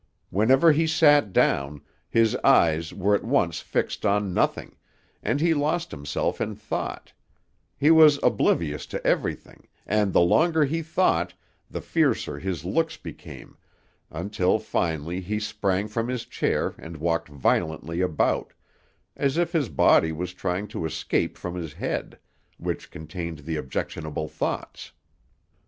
Whenever he sat down, his eyes were at once fixed on nothing, and he lost himself in thought; he was oblivious to everything, and the longer he thought, the fiercer his looks became, until finally he sprang from his chair and walked violently about, as if his body was trying to escape from his head, which contained the objectionable thoughts.